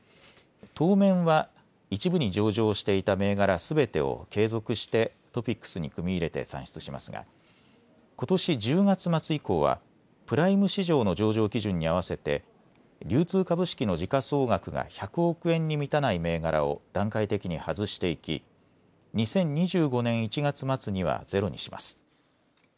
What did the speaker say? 当面は１部に上場していた銘柄すべてを継続してトピックスに組み入れて算出しますがことし１０月末以降はプライム市場の上場基準に合わせて流通株式の時価総額が１００億円に満たない銘柄を段階的に外していき、２０２５年１月末にはゼロにします。